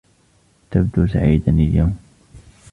تبدو سعيدا اليوم.